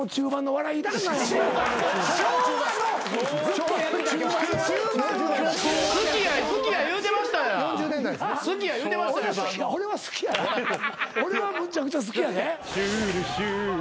俺はむちゃくちゃ好きやで。